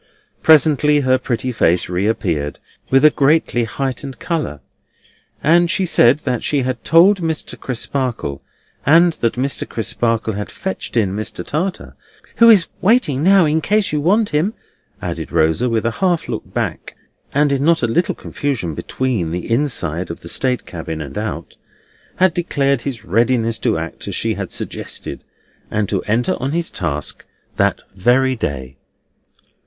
Presently her pretty face reappeared, with a greatly heightened colour, and she said that she had told Mr. Crisparkle, and that Mr. Crisparkle had fetched in Mr. Tartar, and that Mr. Tartar—"who is waiting now, in case you want him," added Rosa, with a half look back, and in not a little confusion between the inside of the state cabin and out—had declared his readiness to act as she had suggested, and to enter on his task that very day.